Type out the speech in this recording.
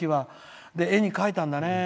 絵に描いたんだね。